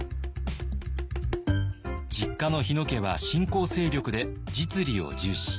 実家の日野家は新興勢力で実利を重視。